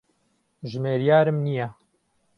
ژمێریارم نییە.